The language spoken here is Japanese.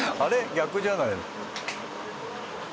逆じゃないの？